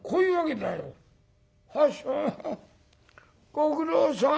ご苦労さん。